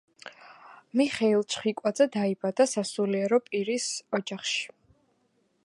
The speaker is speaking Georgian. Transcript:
მიხეილ ჩხიკვაძე დაიბადა სასულიერო პირის ოჯახში.